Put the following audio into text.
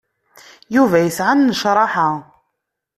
Yuba isɛa nnecṛaḥa.